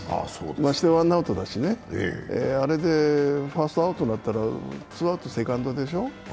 ましてワンアウトだしね、あれでファーストアウトになったら、ツーアウト・セカンドでしょ？